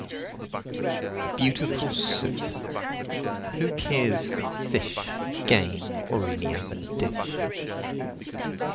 Beautiful Soup! Who cares for fish, Game, or any other dish?